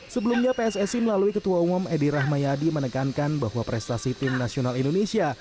sebelumnya pssi melalui ketua umum edi rahmayadi menekankan bahwa prestasi tim nasional indonesia